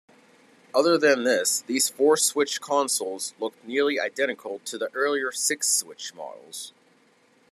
Other than this, these four-switch consoles looked nearly identical to the earlier six-switch models.